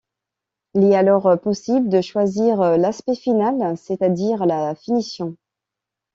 Il est alors possible de choisir l’aspect final, c’est-à-dire la finition.